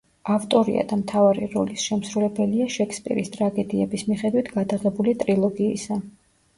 ავტორია და მთავარი როლის შემსრულებელია შექსპირის ტრაგედიების მიხედვით გადაღებული ტრილოგიისა.